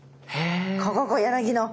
ここ柳の。